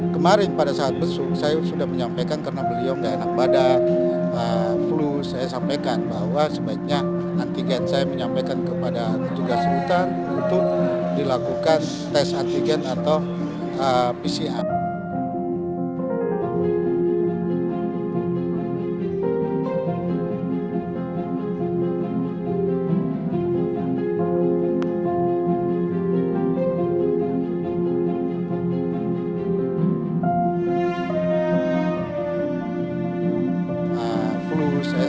kemarin pada saat besok saya sudah menyampaikan karena beliau tidak enak badan flu saya sampaikan bahwa sebaiknya antigen saya menyampaikan kepada tugas utara untuk dilakukan tes antigen atau pcr